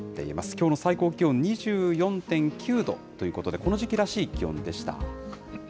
きょうの最高気温２４．９度ということで、この時期らしい気温でした。